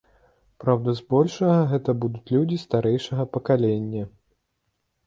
Праўда, збольшага гэта будуць людзі старэйшага пакалення.